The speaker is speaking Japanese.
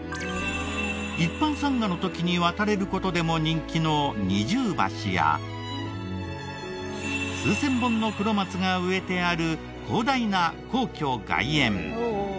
一般参賀の時に渡れる事でも人気の二重橋や数千本のクロマツが植えてある広大な皇居外苑。